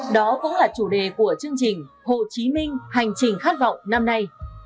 đó cũng là chủ đề của chương trình hồ chí minh hành trình khát vọng năm nay